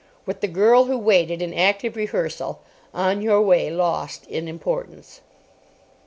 With The Girl who Waited in active rehearsal, "On Your Way" lost in importance.